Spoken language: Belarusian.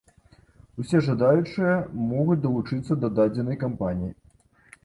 Усе жадаючыя могуць далучыцца да дадзенай кампаніі.